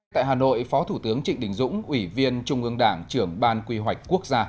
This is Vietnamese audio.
tại hà nội phó thủ tướng trịnh đình dũng ủy viên trung ương đảng trưởng ban quy hoạch quốc gia